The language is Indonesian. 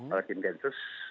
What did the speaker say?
oleh tim densus